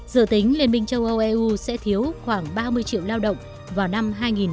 dự tính liên minh châu âu eu sẽ thiếu khoảng ba mươi triệu lao động vào năm hai nghìn hai mươi